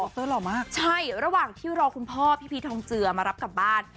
เตอร์หล่อมากใช่ระหว่างที่รอคุณพ่อพี่พีชทองเจือมารับกลับบ้าน